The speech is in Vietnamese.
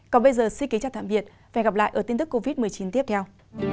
còn bây giờ xin kính chào tạm biệt và hẹn gặp lại ở tin tức covid một mươi chín tiếp theo